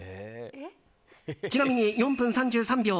ちなみに「４分３３秒」